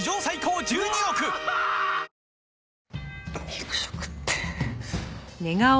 肉食って。